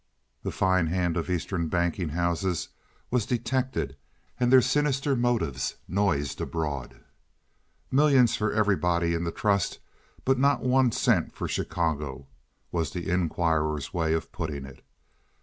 The fine hand of Eastern banking houses was detected and their sinister motives noised abroad. "Millions for everybody in the trust, but not one cent for Chicago," was the Inquirer's way of putting it.